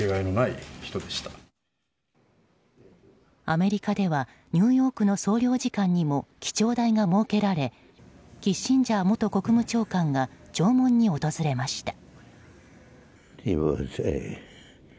アメリカではニューヨークの総領事館にも記帳台が設けられキッシンジャー元国務長官が弔問に訪れました。